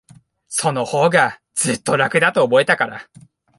そのほうが、ずっと楽だと思えたから。